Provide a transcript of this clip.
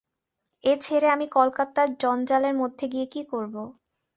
এ ছেড়ে আমি কলকাতার জঞ্জালের মধ্যে গিয়ে কী করব।